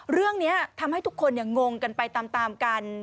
เรื่องนี้ทำให้ทุกคนงงกันไปตามกัน